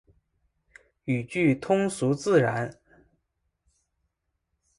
语句通俗自然